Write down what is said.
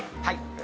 はい。